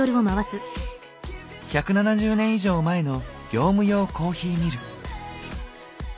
１７０年以上前の業務用コーヒーミル。